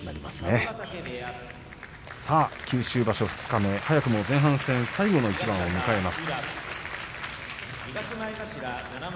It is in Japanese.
九州場所二日目早くも前半戦最後の一番を迎えます。